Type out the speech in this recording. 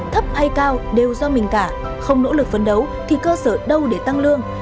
thấp hay cao đều do mình cả không nỗ lực phấn đấu thì cơ sở đâu để tăng lương